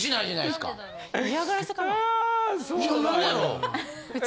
いや何やろう？